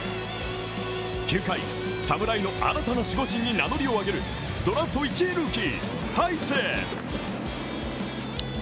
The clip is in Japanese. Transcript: ９回、侍の新たな守護神に名乗りを上げるドラフト１位ルーキー、大勢。